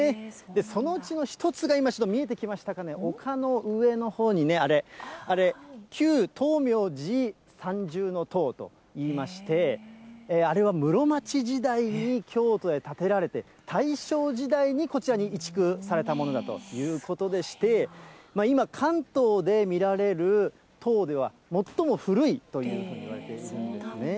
そのうちの１つが今、見えてきましたかね、丘の上のほうにあれ、旧燈明寺三重塔といいまして、あれは室町時代に京都で建てられて、大正時代にこちらに移築されたものだということでして、今、関東で見られる塔では最も古いというふうにいわれているんですね。